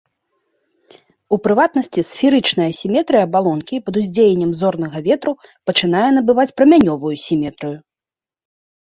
У прыватнасці, сферычная сіметрыя абалонкі пад уздзеяннем зорнага ветру пачынае набываць прамянёвую сіметрыю.